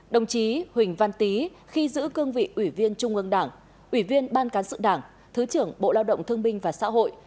đồng chí huỳnh văn tý khi giữ cương vị ủy viên trung ương đảng ủy viên ban cán sự đảng thứ trưởng bộ lao động thương binh và xã hội